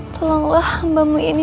tolonglah hambamu ini